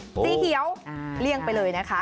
สีเขียวเลี่ยงไปเลยนะคะ